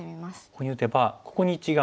ここに打てばここに一眼